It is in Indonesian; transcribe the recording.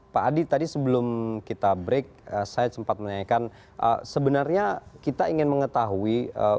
pak adi tadi sebelum kita break saya sempat menanyakan sebenarnya kita ingin mengetahui